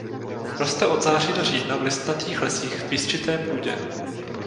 Roste od září do října v listnatých lesích v písčité půdě.